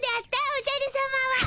おじゃるさまは。